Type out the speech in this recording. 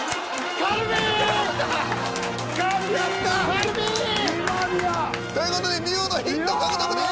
「カルビー」！！という事で見事ヒント獲得です！